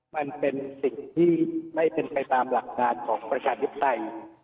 มันเป็นสิ่งที่ไม่เป็นไปตามหลักงานของประชาธิปไตย